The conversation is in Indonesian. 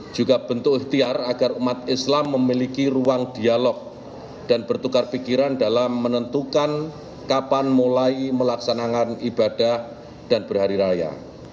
juga bentuk ikhtiar agar umat islam memiliki ruang dialog dan bertukar pikiran dalam menentukan kapan mulai melaksanakan ibadah dan berhari raya